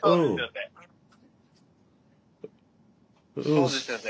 そうですよね。